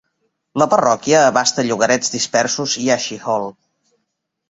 La parròquia abasta llogarets dispersos i Ashe Hall.